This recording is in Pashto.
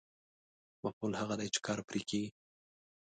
مفعول هغه دی چې کار پرې کېږي.